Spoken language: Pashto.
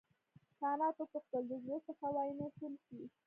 کانت وپوښتل د زړه څخه وایې نور نه څښې.